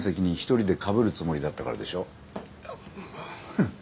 フッ。